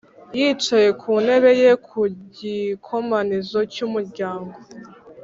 Yicaye ku ntebe ye ku gikomanizo cy’umuryango